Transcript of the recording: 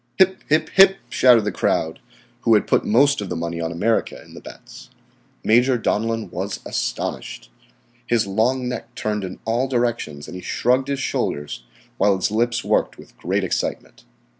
"Hip, hip, hip," shouted the crowd who had put most of the money on America in the bets. Major Donellan was astonished. His long neck turned in all directions and he shrugged his shoulders, while his lips worked with great excitement.